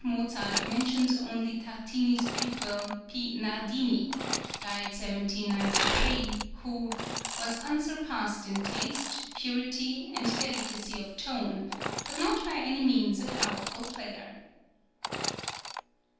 Mozart mentions only Tartini's pupil, P. Nardini (died 1793) who "was unsurpassed in taste, purity, and delicacy of tone, but not by any means a powerful player."